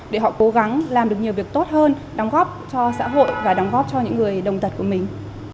để họ cố gắng làm được nhiều việc tốt hơn đóng góp cho xã hội và đóng góp cho những người đồng tật của mình